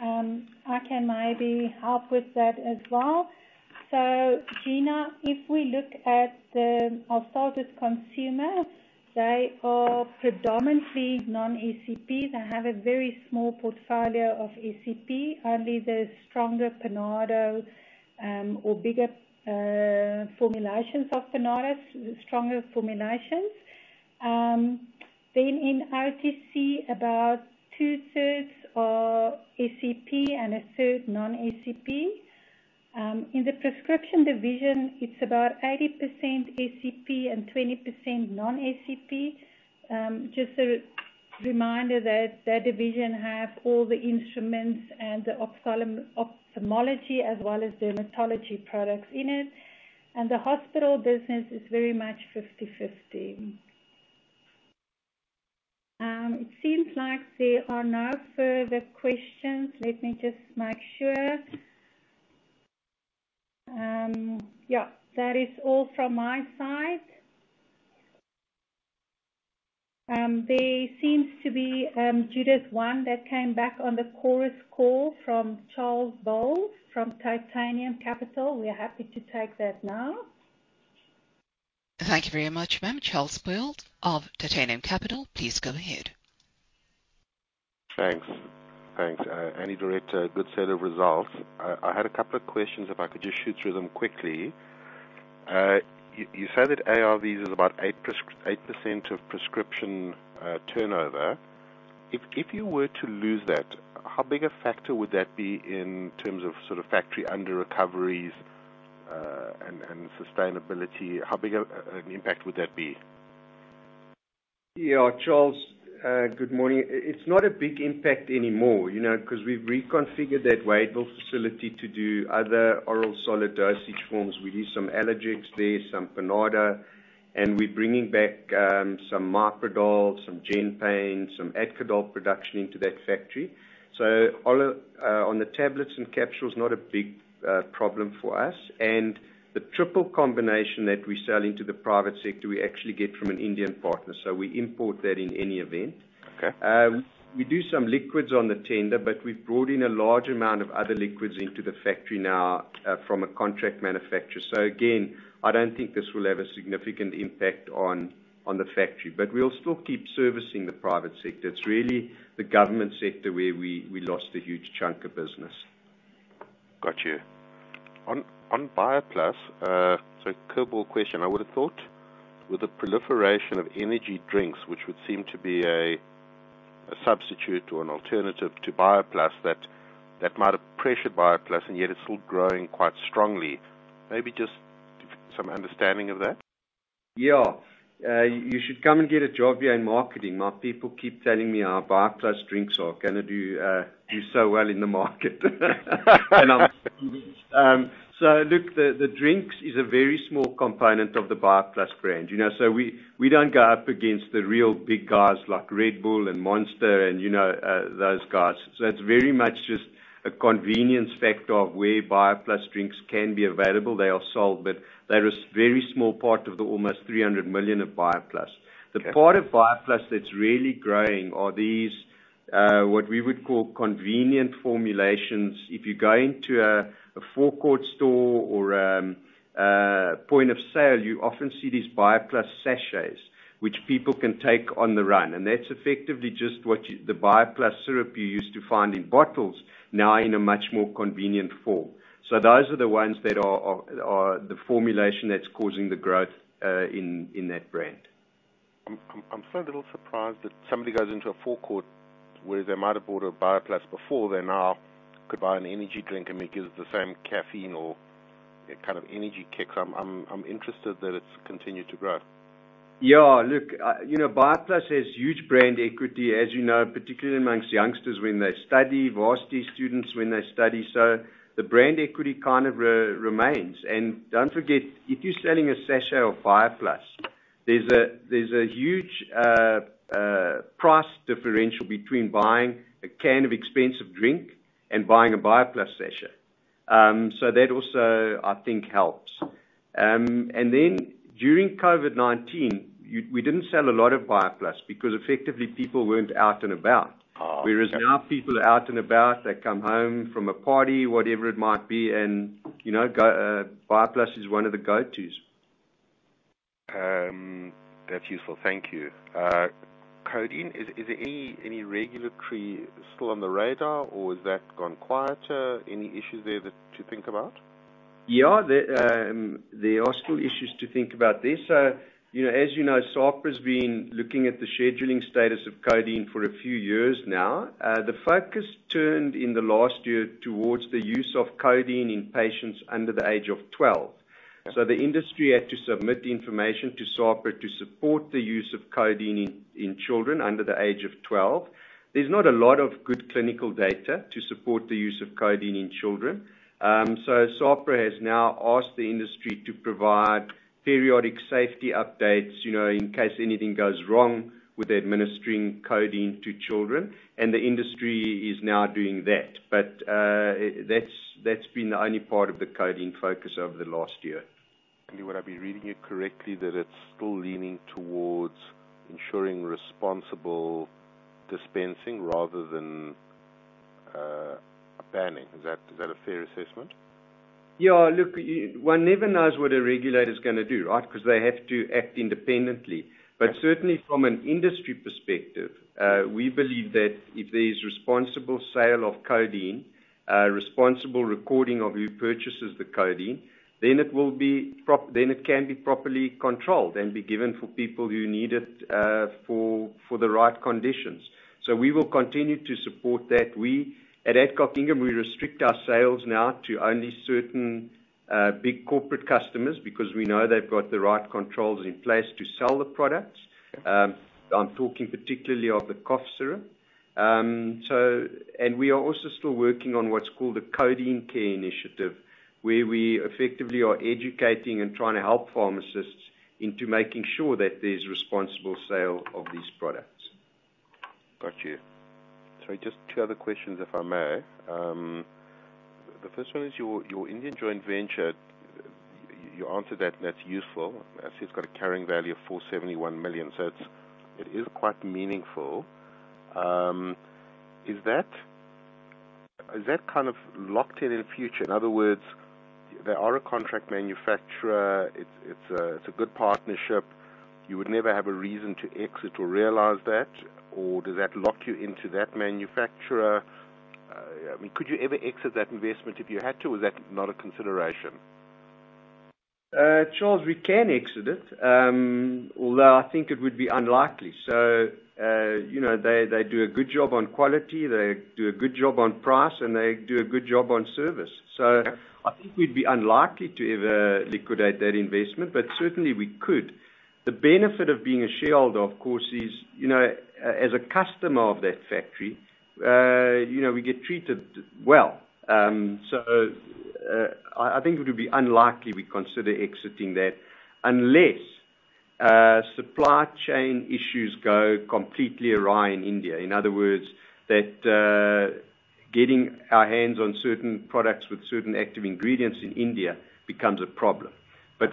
I can maybe help with that as well. Gina, if we look at our largest consumer, they are predominantly non-SEPs and have a very small portfolio of SEP. Only the stronger Panado, or bigger formulations of Panado, stronger formulations. In OTC, about 2/3 are SEP and 1/3 non-SEP. In the prescription division, it's about 80% SEP and 20% non-SEP. Just a reminder that that division have all the instruments and the ophthalmology as well as dermatology products in it, and the hospital business is very much 50/50. It seems like there are no further questions. Let me just make sure. Yeah, that is all from my side. There seems to be, Judith, one that came back on the chorus call from Charles Boles from Titanium Capital. We are happy to take that now. Thank you very much, ma'am. Charles Boles of Titanium Capital. Please go ahead. Thanks. Thanks, Andy, Director. Good set of results. I had a couple of questions, if I could just shoot through them quickly. You, you said that ARVs is about 8% of prescription turnover. If, if you were to lose that, how big a factor would that be in terms of sort of factory underrecoveries and sustainability? How big a an impact would that be? Yeah, Charles, good morning. It's not a big impact anymore, you know, 'cause we've reconfigured that Wadeville facility to do other oral solid dosage forms. We do some allergics there, some Panado, and we're bringing back, some Myprodol, some Genpain, some Adco-Dol production into that factory. All of... on the tablets and capsules, not a big, problem for us. The triple combination that we sell into the private sector, we actually get from an Indian partner, so we import that in any event. Okay. We do some liquids on the tender, but we've brought in a large amount of other liquids into the factory now, from a contract manufacturer. Again, I don't think this will have a significant impact on, on the factory, but we'll still keep servicing the private sector. It's really the government sector where we, we lost a huge chunk of business. Got you. On BioPlus, so a curveball question. I would have thought with the proliferation of energy drinks, which would seem to be a, a substitute or an alternative to BioPlus, that that might have pressured BioPlus, and yet it's still growing quite strongly. Maybe just some understanding of that? Yeah. You should come and get a job here in marketing. My people keep telling me our BioPlus drinks are gonna do so well in the market. Look, the, the drinks is a very small component of the BioPlus brand, you know, we, we don't go up against the real big guys like Red Bull and Monster and, you know, those guys. It's very much just a convenience factor of where BioPlus drinks can be available. They are sold, but they're a very small part of the almost 300 million of BioPlus. The part of BioPlus that's really growing are these, what we would call convenient formulations. If you go into a forecourt store or a point of sale, you often see these BioPlus sachets, which people can take on the run, and that's effectively just what the BioPlus syrup you used to find in bottles, now in a much more convenient form. Those are the ones that are the formulation that's causing the growth in that brand. I'm still a little surprised that somebody goes into a forecourt where they might have bought a BioPlus before, they now could buy an energy drink, and it gives the same caffeine or a kind of energy kick. I'm interested that it's continued to grow. Yeah, look, you know, BioPlus has huge brand equity, as you know, particularly amongst youngsters when they study, varsity students when they study, so the brand equity kind of remains. Don't forget, if you're selling a sachet of BioPlus, there's a, there's a huge price differential between buying a can of expensive drink and buying a BioPlus sachet. That also, I think, helps. Then during COVID-19, we didn't sell a lot of BioPlus because effectively people weren't out and about. Ah, okay. Whereas now, people are out and about, they come home from a party, whatever it might be, and, you know, go, BioPlus is one of the go-tos. That's useful. Thank you. codeine, is, is there any, any regulatory still on the radar, or has that gone quieter? Any issues there that-- to think about? Yeah, there, there are still issues to think about this. You know, SAHPRA's been looking at the scheduling status of codeine for a few years now. The focus turned in the last year towards the use of codeine in patients under the age of 12. The industry had to submit the information to SAHPRA to support the use of codeine in, in children under the age of 12. There's not a lot of good clinical data to support the use of codeine in children. SAHPRA has now asked the industry to provide periodic safety updates, you know, in case anything goes wrong with administering codeine to children, and the industry is now doing that. That's, that's been the only part of the codeine focus over the last year. Would I be reading you correctly, that it's still leaning towards ensuring responsible dispensing rather than a banning? Is that a fair assessment? Yeah, look, one never knows what a regulator is going to do, right? They have to act independently. Certainly from an industry perspective, we believe that if there is responsible sale of codeine, a responsible recording of who purchases the codeine, then it can be properly controlled and be given for people who need it, for, for the right conditions. We will continue to support that. We, at Adcock Ingram, we restrict our sales now to only certain, big corporate customers because we know they've got the right controls in place to sell the products. I'm talking particularly of the cough syrup. And we are also still working on what's called a Codeine Care Initiative, where we effectively are educating and trying to help pharmacists into making sure that there's responsible sale of these products. Got you. Just two other questions, if I may. The 1st one is your, your Indian joint venture. You answered that, and that's useful. I see it's got a carrying value of 471 million, so it's, it is quite meaningful. Is that, is that kind of locked in in future? In other words, they are a contract manufacturer, it's, it's a, it's a good partnership, you would never have a reason to exit or realize that? Does that lock you into that manufacturer? I mean, could you ever exit that investment if you had to, or is that not a consideration? Charles, we can exit it, although I think it would be unlikely. You know, they, they do a good job on quality, they do a good job on price, and they do a good job on service. Okay. I think we'd be unlikely to ever liquidate that investment, but certainly, we could. The benefit of being a shareholder, of course, is, you know, as a customer of that factory, you know, we get treated well. I think it would be unlikely we consider exiting that unless supply chain issues go completely awry in India. In other words, that getting our hands on certain products with certain active ingredients in India becomes a problem.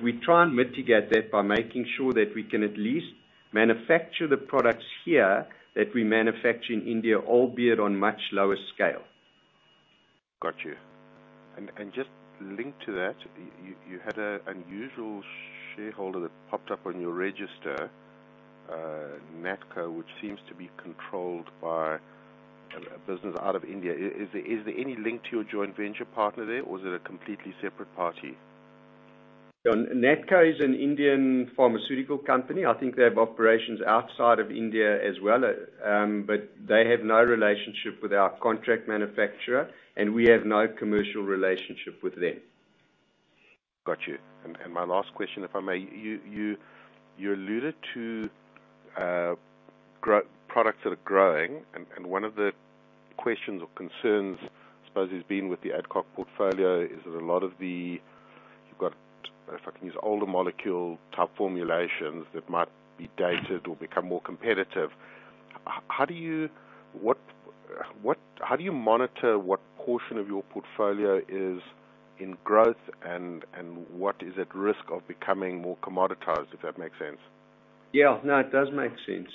We try and mitigate that by making sure that we can at least manufacture the products here that we manufacture in India, albeit on much lower scale. Got you. Just linked to that, you had an unusual shareholder that popped up on your register, Natco, which seems to be controlled by a business out of India. Is, is there any link to your joint venture partner there, or is it a completely separate party? Yeah, Natco is an Indian pharmaceutical company. I think they have operations outside of India as well. They have no relationship with our contract manufacturer, and we have no commercial relationship with them. Got you. My last question, if I may. You alluded to products that are growing. One of the questions or concerns, I suppose, has been with the Adcock portfolio, is that a lot of the you've got, if I can use older molecule type formulations that might be dated or become more competitive. How do you monitor what portion of your portfolio is in growth, and what is at risk of becoming more commoditized, if that makes sense? Yeah. No, it does make sense.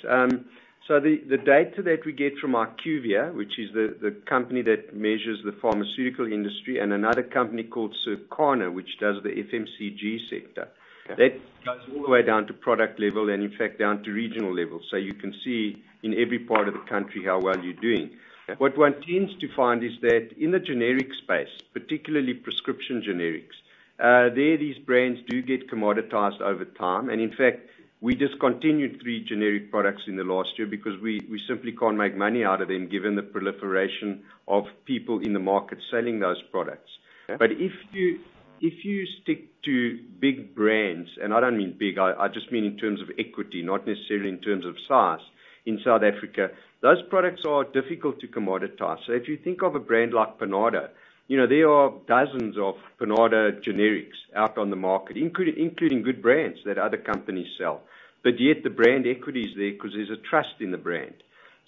The data that we get from IQVIA, which is the company that measures the pharmaceutical industry, and another company called Circana, which does the FMCG sector. Okay. that goes all the way down to product level, and in fact, down to regional level. You can see in every part of the country how well you're doing. Okay. What one tends to find is that in the generic space, particularly prescription generics, there, these brands do get commoditized over time. In fact, we discontinued 3 generic products in the last year because we, we simply can't make money out of them, given the proliferation of people in the market selling those products. Okay. If you, if you stick to big brands, and I don't mean big, I, I just mean in terms of equity, not necessarily in terms of size. In South Africa, those products are difficult to commoditize. If you think of a brand like Panado, you know, there are dozens of Panado generics out on the market, including good brands that other companies sell, but yet the brand equity is there because there's a trust in the brand.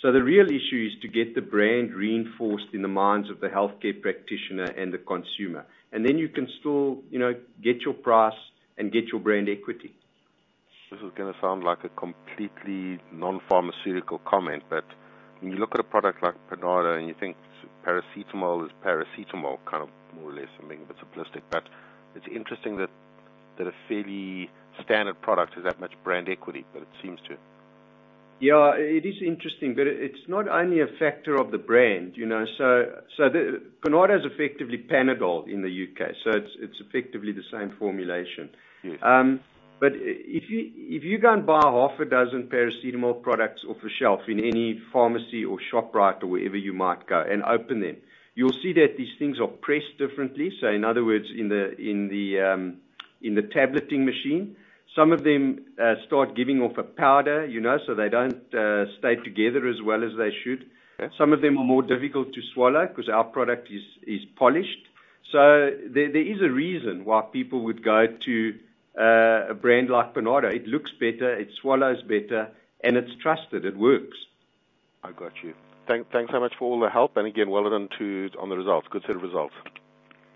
The real issue is to get the brand reinforced in the minds of the healthcare practitioner and the consumer, and then you can still, you know, get your price and get your brand equity. This is gonna sound like a completely non-pharmaceutical comment, but when you look at a product like Panado, and you think paracetamol is paracetamol, kind of more or less, I mean, a bit simplistic, but it's interesting that, that a fairly standard product has that much brand equity, but it seems to. Yeah, it is interesting, but it's not only a factor of the brand, you know? Panado is effectively Panadol in the UK, so it's, it's effectively the same formulation. Yes. If you, if you go and buy 6 paracetamol products off the shelf in any pharmacy or shop, right, or wherever you might go and open them, you'll see that these things are pressed differently. In other words, in the, in the, in the tableting machine, some of them start giving off a powder, you know, so they don't stay together as well as they should. Okay. Some of them are more difficult to swallow because our product is, is polished. There, there is a reason why people would go to a brand like Panado. It looks better, it swallows better, and it's trusted. It works. I got you. Thanks so much for all the help. Again, well done on the results. Good set of results.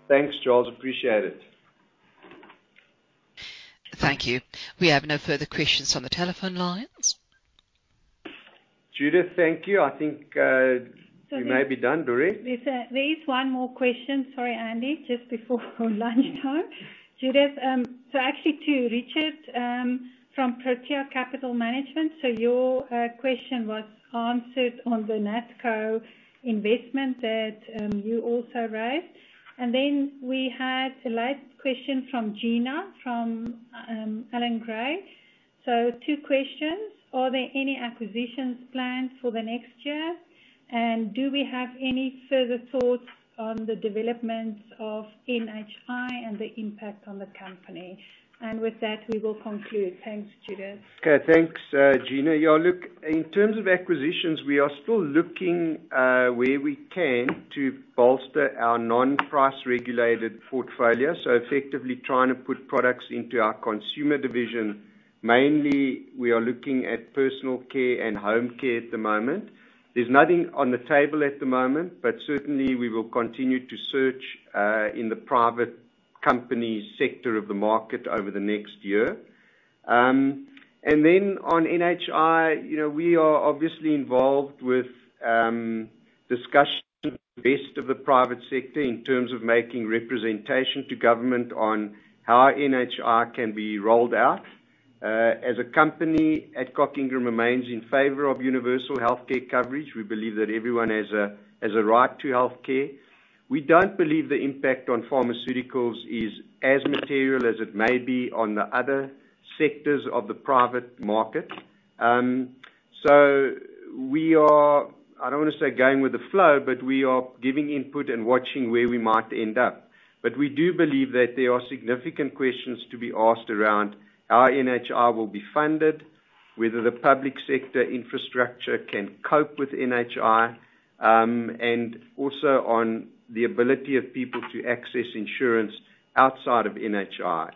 Thanks, Charles. Appreciate it. Thank you. We have no further questions on the telephone lines. Judith, thank you. I think we may be done, Dorette? There's, there is one more question. Sorry, Andy, just before lunchtime. Judith, so actually to Richard, from Protea Capital Management. Your question was answered on the Natco investment that you also raised. Then we had the last question from Gina, from Allan Gray. Two questions: Are there any acquisitions planned for the next year? Do we have any further thoughts on the developments of NHI and the impact on the company? With that, we will conclude. Thanks, Judith. Okay. Thanks, Gina. Yeah, look, in terms of acquisitions, we are still looking where we can to bolster our non-price regulated portfolio, so effectively trying to put products into our consumer division. Mainly, we are looking at personal care and home care at the moment. There's nothing on the table at the moment, certainly we will continue to search in the private company sector of the market over the next year. Then on NHI, you know, we are obviously involved with discussions with the rest of the private sector in terms of making representation to government on how NHI can be rolled out. As a company, Adcock Ingram remains in favor of universal healthcare coverage. We believe that everyone has a, has a right to healthcare. We don't believe the impact on pharmaceuticals is as material as it may be on the other sectors of the private market. We are... I don't want to say going with the flow, but we are giving input and watching where we might end up. We do believe that there are significant questions to be asked around how NHI will be funded, whether the public sector infrastructure can cope with NHI, and also on the ability of people to access insurance outside of NHI.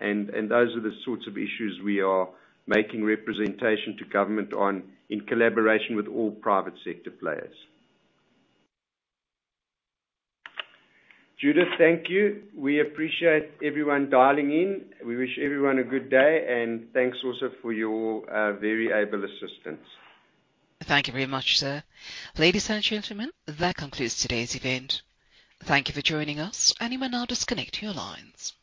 Those are the sorts of issues we are making representation to government on, in collaboration with all private sector players. Judith, thank you. We appreciate everyone dialing in. We wish everyone a good day, and thanks also for your very able assistance. Thank you very much, sir. Ladies and gentlemen, that concludes today's event. Thank you for joining us, and you may now disconnect your lines.